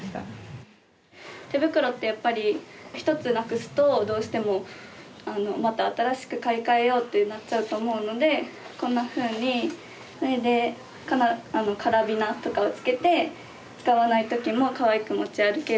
手袋ってやっぱり１つなくすとどうしてもまた新しく買い替えようってなっちゃうと思うのでこんなふうにそれでカラビナとかを付けて使わないときもかわいく持ち歩ける。